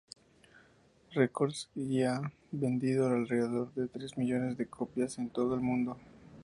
Records y ha vendido alrededor de tres millones de copias en todo el mundo.